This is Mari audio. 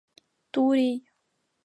ТУРИЙ